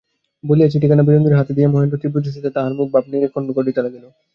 বলিয়া চিঠিখানা বিনোদিনীর হাতে দিয়া মহেন্দ্র তীব্রদৃষ্টিতে তাহার মুখের ভাব নিরীক্ষণ করিতে লাগিল।